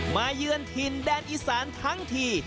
เยือนถิ่นแดนอีสานทั้งที